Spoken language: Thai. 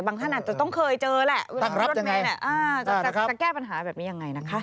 บางท่านอาจจะต้องเคยเจอแหละรถเมล์นี้จะแก้ปัญหาแบบนี้อย่างไร